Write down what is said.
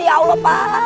ya allah pak